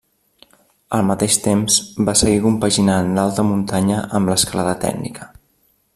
Al mateix temps va seguir compaginant l'alta muntanya amb l'escalada tècnica.